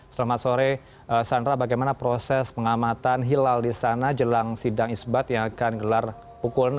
selamat sore sandra bagaimana proses pengamatan hilal di sana jelang sidang isbat yang akan gelar pukul enam